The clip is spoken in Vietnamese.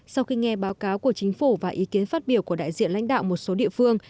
sau khi nghe báo cáo của chính phủ và ý kiến phát biểu của đại diện lãnh đạo một số địa phương